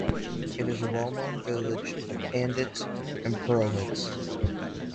It is a well-known village of Pandits and Purohits.